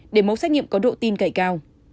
để mẫu xét nghiệm có độ tin cậy cao